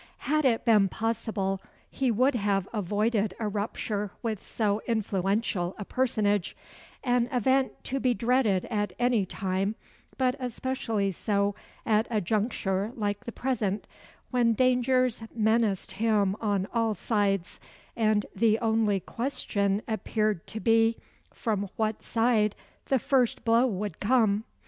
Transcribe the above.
Had it been possible, he would have avoided a rupture with so influential a personage an event to be dreaded at any time, but especially so at a juncture like the present, when dangers menaced him on all sides, and the only question appeared to be, from what side the first blow would come.